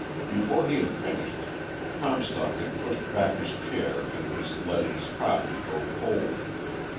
Before he had finished Comstock had pushed back his chair and was letting his coffee go cold.